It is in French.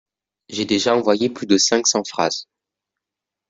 J'ai déjà envoyé plus de cinq cent phrases.